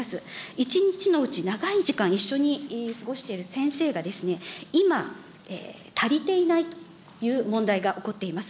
１日のうち、長い時間一緒に過ごしている先生が、今、足りていないという問題が起こっています。